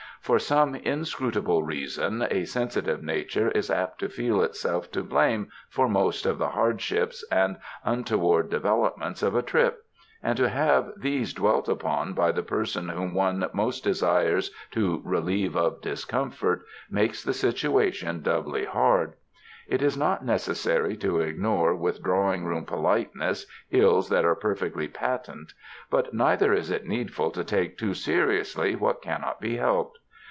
For some inscrutable reason, a sensitive nature is apt to feel itself to blame for most of the hardships and untoward developments of a trip ; and to have these dwelt upon by the person whom one most desires to relieve of discomfort, makes the situation doubly hard. It is not neces sary to ignore with drawing room politeness ills that are perfectly patent; but neither is it needful to take too seriously what cannot be helped.